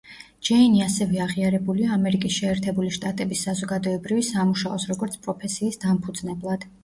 ჯეინი ასევე აღიარებულია ამერიკის შეერთებული შტატების საზოგადოებრივი სამუშაოს, როგორც პროფესიის დამფუძნებლად.